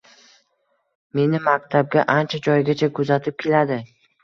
Meni maktabga ancha joygacha kuzatib keladi